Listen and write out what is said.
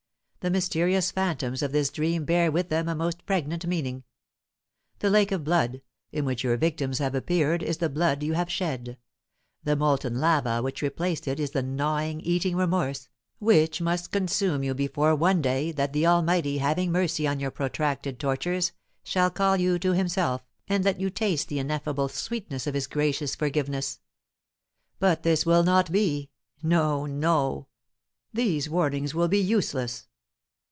The mysterious phantoms of this dream bear with them a most pregnant meaning. The lake of blood, in which your victims have appeared, is the blood you have shed. The molten lava which replaced it is the gnawing, eating remorse, which must consume you before one day, that the Almighty, having mercy on your protracted tortures, shall call you to himself, and let you taste the ineffable sweetness of his gracious forgiveness. But this will not be. No, no! these warnings will be useless.